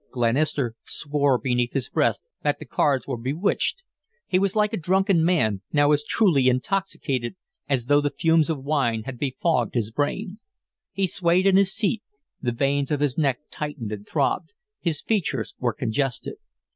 Glenister swore beneath his breath that the cards were bewitched. He was like a drunken man, now as truly intoxicated as though the fumes of wine had befogged his brain. He swayed in his seat, the veins of his neck thickened and throbbed, his features were congested.